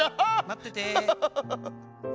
まってて！